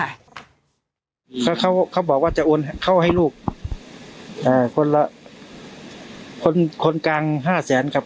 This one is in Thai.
เขาเขาบอกว่าจะโอนเข้าให้ลูกคนละคนคนกลางห้าแสนครับ